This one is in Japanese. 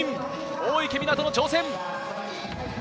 大池水杜の挑戦。